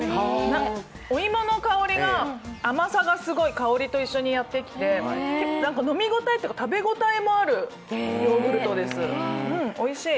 お芋の香りが、甘さがすごい香りと一緒にやってきて飲み応えというか食べ応えもあるヨーグルトです、おいしい。